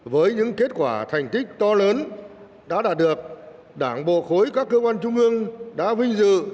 với những kết quả thành tích to lớn đã đạt được đảng bộ khối các cơ quan trung ương đã vinh dự